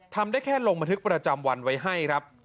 ทำได้แค่ลงบันทึกประจำวันไว้ให้ครับ